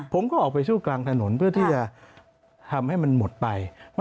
ผมก็ออกไปสู้กลางถนนเพื่อที่จะทำให้มันหมดไป